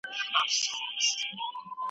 موږ په صنف کي د پروګرامینګ په اهمیت بحث کوو.